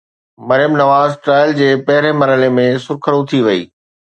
Maryam Nawaz trial جي پهرين مرحلي ۾ سرخرو ٿي وئي.